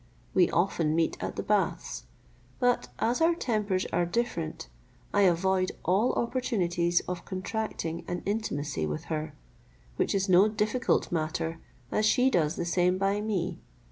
We often meet at the baths, but as our tempers are different, I avoid all opportunities of contracting an intimacy with her, which is no difficult matter, as she does the same by me.